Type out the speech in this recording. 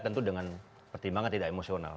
tentu dengan pertimbangan tidak emosional